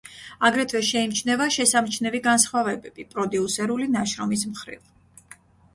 აგრეთვე შეიმჩნევა შესამჩნევი განსხვავებები პროდიუსერული ნაშრომის მხრივ.